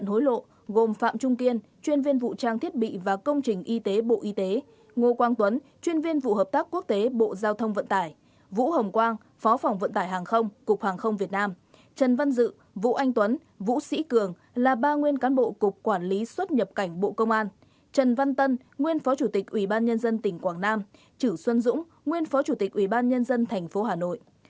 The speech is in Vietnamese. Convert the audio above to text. hối lộ gồm phạm trung kiên chuyên viên vụ trang thiết bị và công trình y tế bộ y tế ngô quang tuấn chuyên viên vụ hợp tác quốc tế bộ giao thông vận tải vũ hồng quang phó phòng vận tải hàng không cục hàng không việt nam trần văn dự vũ anh tuấn vũ sĩ cường là ba nguyên cán bộ cục quản lý xuất nhập cảnh bộ công an trần văn tân nguyên phó chủ tịch ủy ban nhân dân tỉnh quảng nam trữ xuân dũng nguyên phó chủ tịch ủy ban nhân dân thành phố hà nội